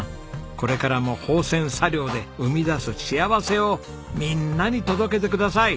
これからも芳泉茶寮で生み出す幸せをみんなに届けてください。